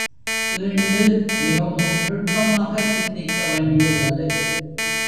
ஈண்டு மிகவும் நுட்பமாகச் சிந்திக்கவேண்டியுள்ளது.